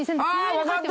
分かった！